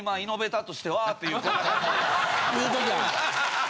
言うときゃ。